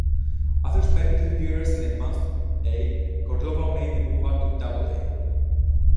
After spending two years in Advanced-A, Cordova made the move up to Double-A.